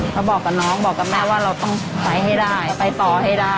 เขาบอกกับน้องบอกกับแม่ว่าเราต้องไปให้ได้ไปต่อให้ได้